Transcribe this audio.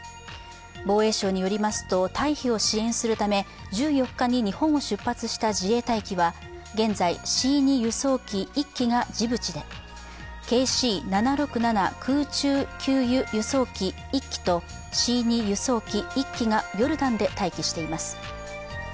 防衛省によりますと、退避を支援するため１４日に日本を出発した自衛隊機は現在、Ｃ２輸送機１機がジブチで、ＫＣ７６７空中給油・輸送機１機とＣ２輸送機１機がヨルダンで待機しています。